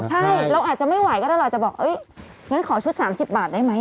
ใช่เราอาจจะไม่ไหวก็ต้องเราจะบอกเอ้ยอย่างนั้นขอชุด๓๐บาทได้ไหม